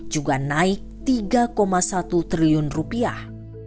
juga naik tiga satu triliun rupiah